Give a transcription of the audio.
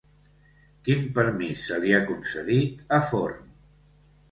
Quin permís se li ha concedit a Forn?